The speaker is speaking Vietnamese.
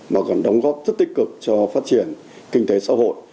mà còn đóng góp rất tích cực cho phát triển kinh tế xã hội